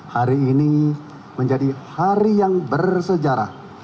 hari ini menjadi hari yang bersejarah